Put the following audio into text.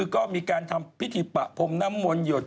ก็มีการทำพิธีประพมนามมณณยศ